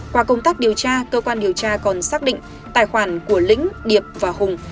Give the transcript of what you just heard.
qua công tác điều tra cơ quan điều tra còn xác định tài khoản của lĩnh điệp và hùng